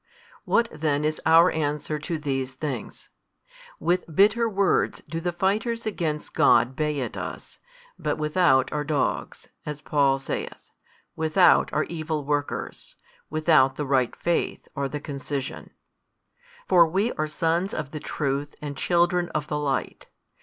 What then is our answer to these things? With bitter words do the fighters against God bay at us, but without are dogs, as Paul saith, without are evil workers, without the right faith are the concision. For we are sons of the truth and children of the light.